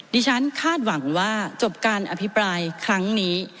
คาดหวังว่าจบการอภิปรายครั้งนี้